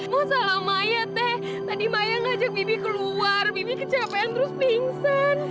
masalah maya tewi tadi maya ngajak bibi keluar bibi kecapean terus pingsan